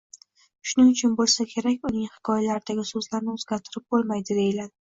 Shuning uchun bo‘lsa kerak, uning hikoyalaridagi so‘zlarni o‘zgartirib bo‘lmaydi, deyiladi.